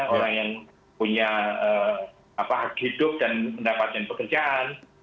orang yang punya hak hidup dan pendapatan pekerjaan